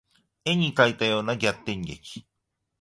絵に描いたような逆転劇